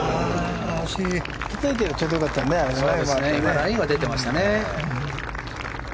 ラインは出てましたね。